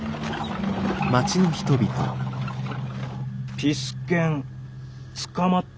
ピス健捕まった？